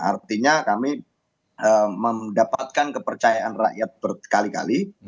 artinya kami mendapatkan kepercayaan rakyat berkali kali